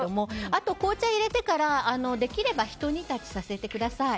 あと、紅茶入れてからできればひと煮立ちさせてください。